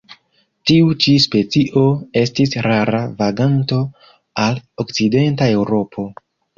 Tiu ĉi specio estis rara vaganto al okcidenta Eŭropo.